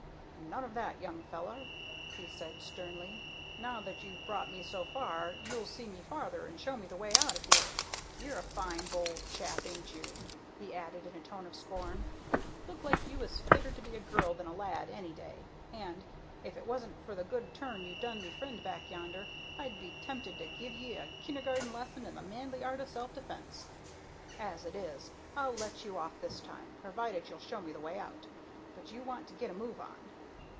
"None of that, young feller!" he said, sternly. "Now that you've brought me so far you'll see me farther and show me the way out of here. You're a fine, bold chap, ain't you?" he added, in a tone of scorn. "Look like you was fitter to be a girl than a lad, any day, and, if it wasn't for the good turn you done me friend back yonder, I'd be tempted to give you a kindergarten lesson in the manly art of self defence. As it is, I'll let you off this time, provided you'll show me the way out. But you want to get a move on."